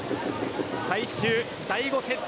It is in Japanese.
最終第５セット